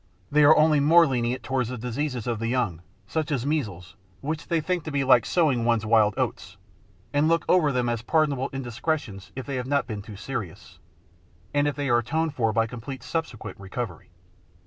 They are only more lenient towards the diseases of the young—such as measles, which they think to be like sowing one's wild oats—and look over them as pardonable indiscretions if they have not been too serious, and if they are atoned for by complete subsequent recovery.